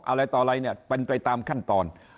อะไรต่ออะไรเนี่ยเป็นไปตามขั้นตอน